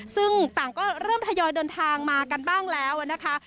ซึ่งต่างก็เริ่มทยอยเดินทางมากันบ้างแล้วนะคะ